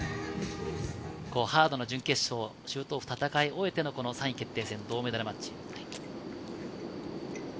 ハードな準決勝、シュートオフを戦い終えての３位決定戦、銅メダルマッチ。